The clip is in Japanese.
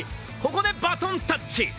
ここでバトンタッチ。